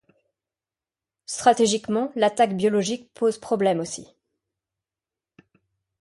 Stratégiquement, l'attaque biologique pose problème aussi.